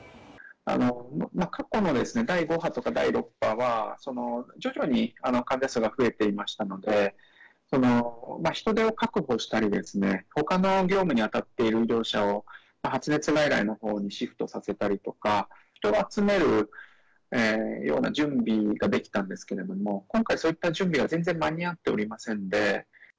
過去の第５波とか第６波は、徐々に患者数が増えていましたので、人手を確保したりですね、ほかの業務に当たっている医療者を、発熱外来のほうにシフトさせたりとか、人を集めるような準備ができたんですけれども、今回、そういった準備は全然間に合っておりませんで。